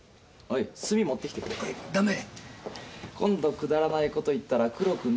今度くだらないこと言ったら黒く塗りますよ。